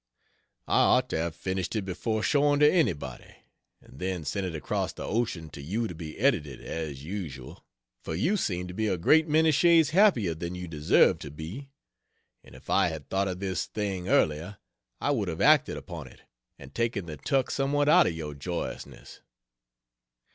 I ought to have finished it before showing to anybody, and then sent it across the ocean to you to be edited, as usual; for you seem to be a great many shades happier than you deserve to be, and if I had thought of this thing earlier, I would have acted upon it and taken the tuck somewhat out of your joyousness.